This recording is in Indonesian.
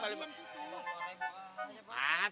dua ribu aja pak